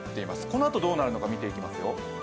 このあとどうなるのか見ていきますよ。